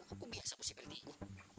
aku biasa bersih peltik ini